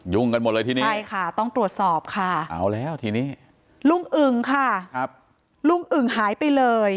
ยุ่งกันหมดเลยที่นี้